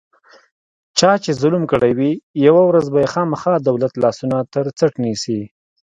چا چې ظلم کړی وي، یوه ورځ به یې خوامخا دولت لاسونه ترڅټ نیسي.